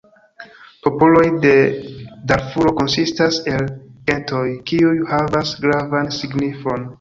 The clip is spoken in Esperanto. Popoloj de Darfuro konsistas el gentoj, kiuj havas gravan signifon.